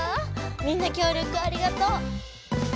みんなきょう力ありがとう！